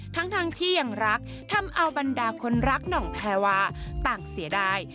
ทั้งที่ยังรักทำเอาบรรดาคนรักหน่องแพรวาต่างเสียดาย